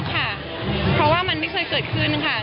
ค่ะเพราะว่ามันไม่เคยเกิดขึ้นค่ะ